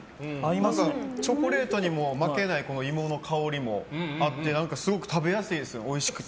チョコレートにも負けない芋の香りもあってすごく食べやすいです。